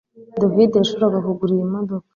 David yashoboraga kugura iyi modoka